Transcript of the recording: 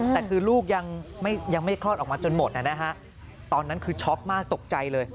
แต่คือลูกยังไม่คลอดออกมาจนหมดนะฮะตอนนั้นคือช็อกมากตกใจเลย